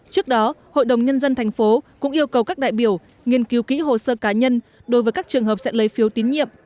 trước đó hội đồng nhân dân thành phố cũng yêu cầu các đại biểu nghiên cứu kỹ hồ sơ cá nhân đối với các trường hợp sẽ lấy phiếu tín nhiệm